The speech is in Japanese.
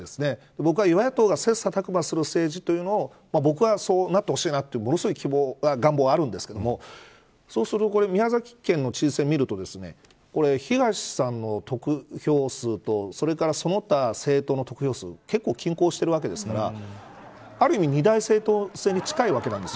僕は与野党が切磋琢磨する政治というのを僕はそうなってほしいとものすごい願望があるんですけどそうすると宮崎県の知事選を見ると東さんの得票数とそれから、その他政党の得票数結構、均衡しているわけですからある意味、二大政党制に近いわけなんです。